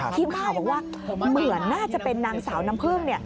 ทีมข่าวบอกว่าเหมือนน่าจะเป็นนางสาวน้ำพึ่ง